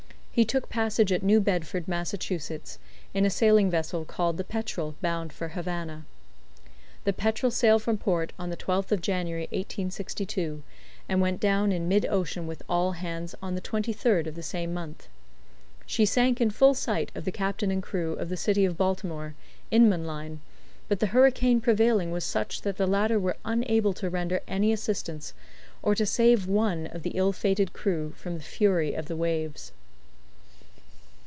He took passage at New Bedford, Massachusetts, in a sailing vessel called the Petrel bound for Havana. The Petrel sailed from port on the 12th of January, 1862, and went down in mid ocean with all hands on the 23rd of the same month. She sank in full sight of the captain and crew of the City of Baltimore (Inman Line), but the hurricane prevailing was such that the latter were unable to render any assistance, or to save one of the ill fated crew from the fury of the waves.